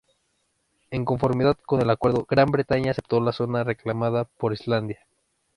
En conformidad con el acuerdo, Gran Bretaña aceptó la zona reclamada por Islandia.